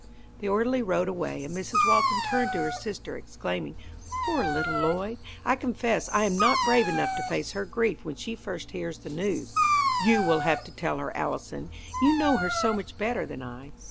The orderly rode away, and Mrs. Walton turned to her sister, exclaiming, "Poor little Lloyd! I confess I am not brave enough to face her grief when she first hears the news. You will have to tell her, Allison. You know her so much better than I.